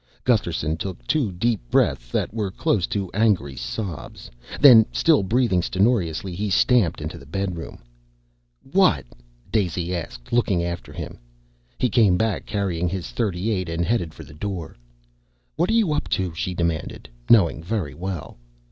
Gusterson took two deep breaths that were close to angry sobs. Then, still breathing stentorously, he stamped into the bedroom. "What ?" Daisy asked, looking after him. He came back carrying his .38 and headed for the door. "What are you up to?" she demanded, knowing very well.